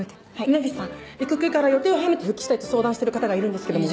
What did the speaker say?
峰岸さん育休から予定を早めて復帰したいと相談してる方がいるんですけども。